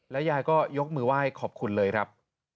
ยายก็ยกมือไหว้ขอบคุณเลยครับ